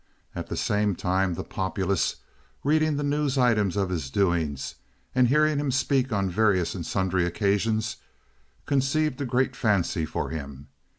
At the same time the populace, reading the news items of his doings and hearing him speak on various and sundry occasions, conceived a great fancy for him.